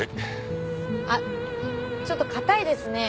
あっちょっと硬いですね。